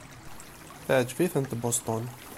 Teɛjeb-itent Boston.